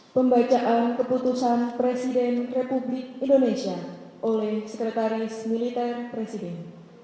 pembacaan keputusan presiden republik indonesia oleh sekretaris militer presiden